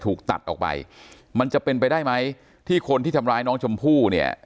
ถูกตัดออกไปมันจะเป็นไปได้ไหมที่คนที่ทำร้ายน้องชมพู่เนี่ย